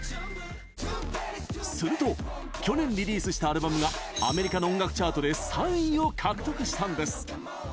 すると去年、リリースしたアルバムがアメリカの音楽チャートで３位を獲得したんです。